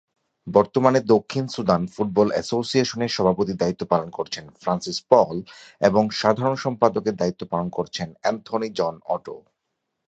বর্তমানে দক্ষিণ Sudan football অ্যাসোসিয়েশনের সভাপতির দায়িত্ব পালন করছেন ফ্রান্সিস পল এবং সাধারণ সম্পাদকের দায়িত্ব পালন করছেন অ্যান্থনি জন অটো।